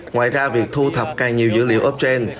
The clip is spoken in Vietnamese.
ngoài ra việc thu thập càng nhiều dữ liệu open